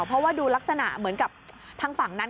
เพราะว่าดูลักษณะเหมือนกับทางฝั่งนั้น